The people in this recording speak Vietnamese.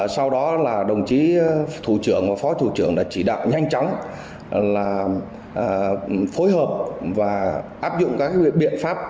sau đó là đồng chí thủ trưởng và phó thủ trưởng đã chỉ đạo nhanh chóng là phối hợp và áp dụng các biện pháp